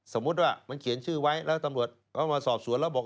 สมมุติว่ามันเขียนชื่อไว้แล้วตำรวจเอามาสอบสวนแล้วบอก